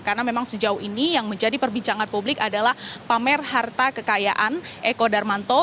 karena memang sejauh ini yang menjadi perbincangan publik adalah pamer harta kekayaan eko darmanto